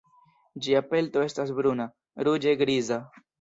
Ĝia pelto estas bruna, ruĝe griza.